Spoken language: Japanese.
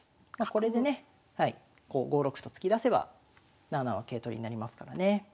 これでねこう５六歩と突き出せば７七の桂取りになりますからね。